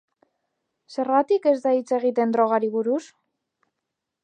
Zergatik ez da hitz egiten drogari buruz?